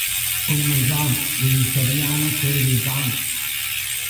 உண்மைதான் இது சரியான கேள்விதான்.